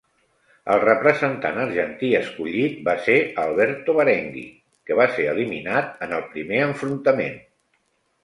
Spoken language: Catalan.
El representant argentí escollit va ser Alberto Barenghi, que va ser eliminat en el primer enfrontament.